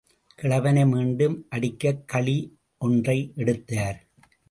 கிழவனை மீண்டும் அடிக்கக் கழி ஒன்றை எடுத்தார்.